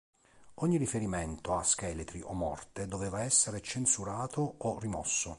Ogni riferimento a scheletri o morte doveva essere censurato o rimosso.